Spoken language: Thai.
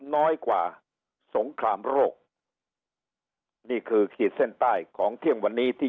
น้อยกว่าสงครามโรคนี่คือขีดเส้นใต้ของเที่ยงวันนี้ที่